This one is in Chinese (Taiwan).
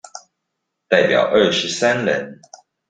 代表二十三人